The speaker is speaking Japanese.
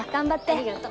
ありがと。